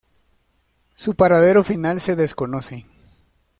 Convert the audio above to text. Su paradero final se desconoce.